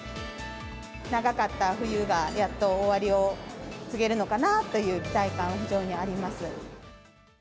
長かった冬がやっと終わりを告げるのかなという期待感は非常にあります。